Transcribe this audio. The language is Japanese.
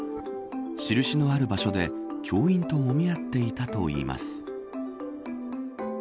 印のある場所で教員ともみ合っていたといいます。